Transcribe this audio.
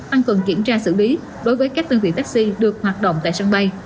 tăng cường kiểm tra xử lý đối với các đơn vị taxi được hoạt động tại sân bay